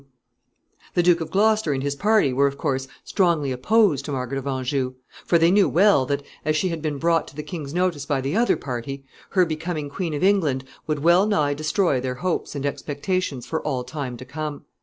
] The Duke of Gloucester and his party were, of course, strongly opposed to Margaret of Anjou; for they knew well that, as she had been brought to the king's notice by the other party, her becoming Queen of England would well nigh destroy their hopes and expectations for all time to come.